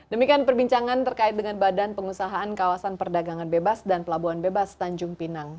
demikian perbincangan terkait dengan badan pengusahaan kawasan perdagangan bebas dan pelabuhan bebas tanjung pinang